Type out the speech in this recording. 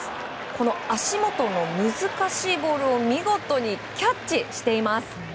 この足元の難しいボールを見事にキャッチしています。